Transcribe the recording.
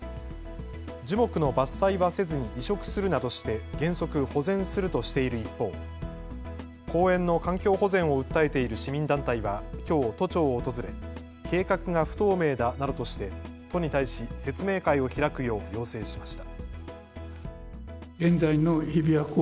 樹木の伐採はせずに移植するなどして原則保全するとしている一方、公園の環境保全を訴えている市民団体はきょう、都庁を訪れ計画が不透明だなどとして都に対し説明会を開くよう要請しました。